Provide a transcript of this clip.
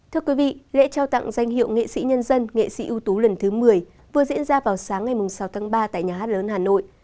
thưa quý vị lễ trao tặng danh hiệu nghệ sĩ nhân dân nghệ sĩ ưu tú lần thứ một mươi vừa diễn ra vào sáng ngày sáu tháng ba tại nhà hát lớn hà nội